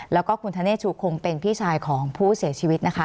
แล้วก็คุณธเนธชูคงเป็นพี่ชายของผู้เสียชีวิตนะคะ